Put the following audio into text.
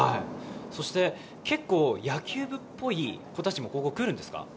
そして、結構野球部っぽい子たちもここ、来るんですか？